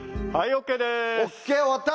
ＯＫ終わった！